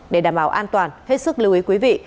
để đảm bảo an toàn hết sức lưu ý quý vị